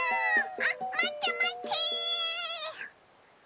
あっまってまって。